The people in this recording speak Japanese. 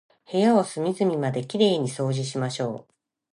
部屋を隅々まで綺麗に掃除しましょう。